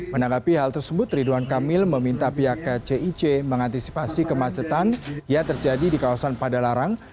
menanggapi hal tersebut ridwan kamil meminta pihak kcic mengantisipasi kemacetan yang terjadi di kawasan padalarang